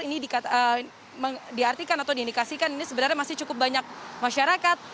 ini diartikan atau diindikasikan ini sebenarnya masih cukup banyak masyarakat